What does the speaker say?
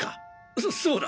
そそうだ。